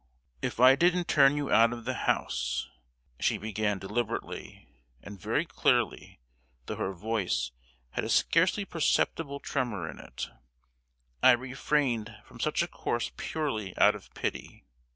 "If I didn't turn you out of the house," she began deliberately and very clearly, though her voice had a scarcely perceptible tremor in it, "I refrained from such a course purely out of pity.